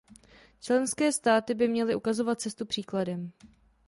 Členské státy by měly ukazovat cestu příkladem.